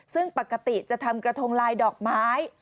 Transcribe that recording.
ซึ่งปกติจะทำกระทงลายดอกไม้